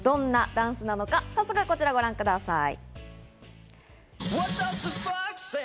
どんなダンスなのか、早速こちらをご覧ください。